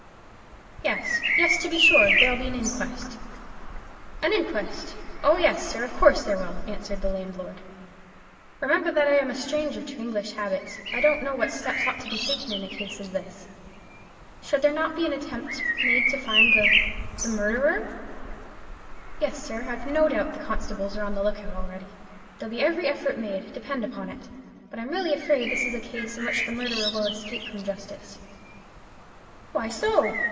"Yes—yes, to be sure. There'll be an inquest." "An inquest! Oh, yes, sir; of course there will," answered the landlord. "Remember that I am a stranger to English habits. I don't know what steps ought to be taken in such a case as this. Should there not be some attempt made to find—the—the murderer?" "Yes, sir; I've no doubt the constables are on the look out already. There'll be every effort made, depend upon it; but I'm really afraid this is a case in which the murderer will escape from justice." "Why so?"